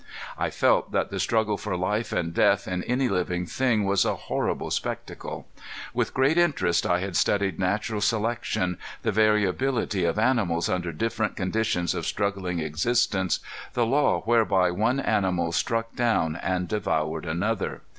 I felt that the struggle for life and death in any living thing was a horrible spectacle. With great interest I had studied natural selection, the variability of animals under different conditions of struggling existence, the law whereby one animal struck down and devoured another.